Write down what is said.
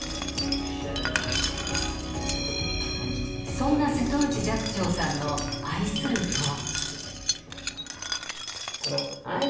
そんな瀬戸内寂聴さんの愛するとは？